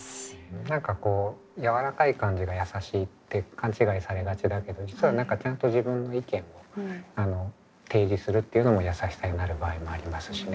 何かこうやわらかい感じがやさしいって勘違いされがちだけど実は何かちゃんと自分の意見を提示するっていうのもやさしさになる場合もありますしね。